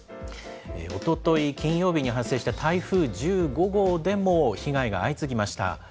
おととい金曜日に発生した台風１５号でも被害が相次ぎました。